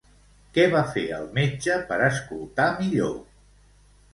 Què va fer el metge per escoltar millor?